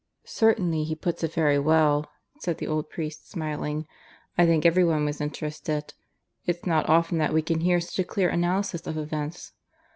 "Certainly he puts it very well," said the old priest, smiling. "I think every one was interested. It's not often that we can hear such a clear analysis of events.